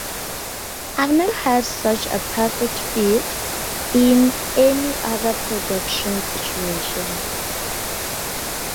I've never had such a perfect fit in any other production situation.